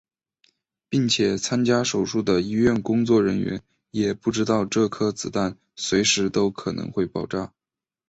并且参加手术的医院工作人员也不知道这颗子弹随时都可能会爆炸。